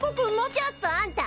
ちょっとあんた